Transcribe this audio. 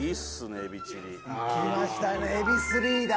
いきましたねエビ３だ。